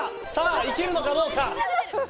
いけるのかどうか。